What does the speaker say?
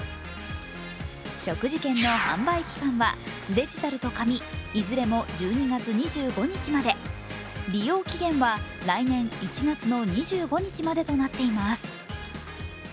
食事券の販売期間はデジタルと紙いずれも１２月２５日まで利用期限は来年１月の２５日までとなっています。